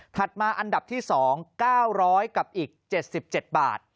มาอันดับที่๒๙๐๐กับอีก๗๗บาท